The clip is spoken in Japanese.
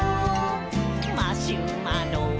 「マシュマロ？」